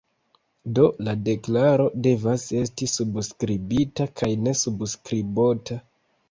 Do, la deklaro devas esti subskribita kaj ne subskribota.